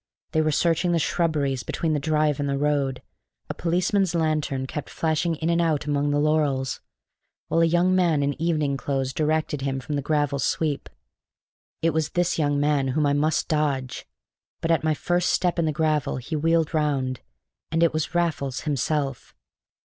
They were searching the shrubberies between the drive and the road; a policeman's lantern kept flashing in and out among the laurels, while a young man in evening clothes directed him from the gravel sweep. It was this young man whom I must dodge, but at my first step in the gravel he wheeled round, and it was Raffles himself.